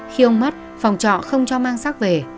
khi ông mất phòng trọ không cho mang sắc về